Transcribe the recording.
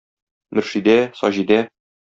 Мөршидә, Саҗидә.